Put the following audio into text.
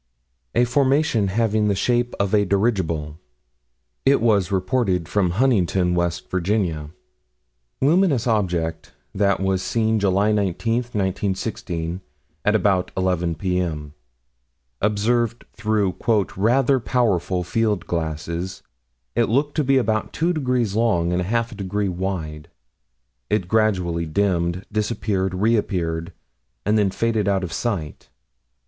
25 "A formation having the shape of a dirigible." It was reported from Huntington, West Virginia (Sci. Amer., 115 241). Luminous object that was seen July 19, 1916, at about 11 P.M. Observed through "rather powerful field glasses," it looked to be about two degrees long and half a degree wide. It gradually dimmed, disappeared, reappeared, and then faded out of sight.